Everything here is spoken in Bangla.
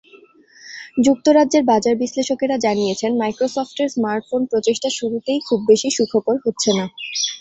যুক্তরাজ্যের বাজার-বিশ্লেষকেরা জানিয়েছেন, মাইক্রোসফটের স্মার্টফোন প্রচেষ্টা শুরুতেই খুব বেশি সুখকর হচ্ছে না।